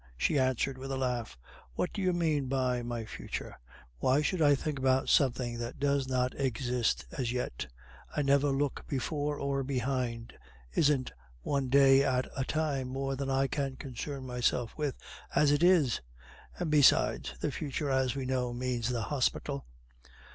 she answered with a laugh. "What do you mean by my future? Why should I think about something that does not exist as yet? I never look before or behind. Isn't one day at a time more than I can concern myself with as it is? And besides, the future, as we know, means the hospital."